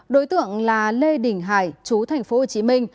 đối tượng là lê đình hải chú thành phố hồ chí minh